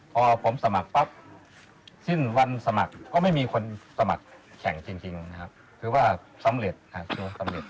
พอผมสมัครปั๊บสิ้นวันสมัครก็ไม่มีคนสมัครแข่งจริงนะครับคือว่าสำเร็จตัวสำเร็จ